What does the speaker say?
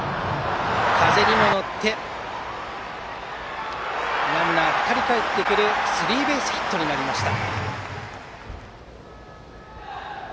風にも乗ってランナーが２人かえってくるスリーベースヒットになりました。